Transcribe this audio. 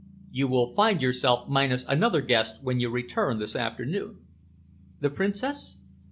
"You will find yourself minus another guest when you return this afternoon." "The Princess?"